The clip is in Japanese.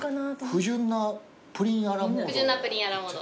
不純なプリンアラモード